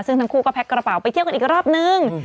ซึ่งทั้งคู่ก็แพ็กกระเป๋าไปเที่ยวกันอีกรอบนึง